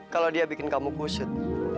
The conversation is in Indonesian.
kalau dia bikin kamu gusut